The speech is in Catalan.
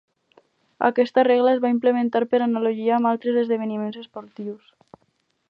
Aquesta regla es va implementar per analogia amb altres esdeveniments esportius.